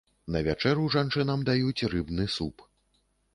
На вячэру жанчынам даюць рыбны суп.